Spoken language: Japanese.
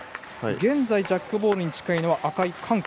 現在、ジャックボールに近いのは赤の韓国。